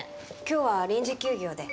今日は臨時休業で。